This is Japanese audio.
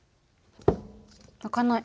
開かない。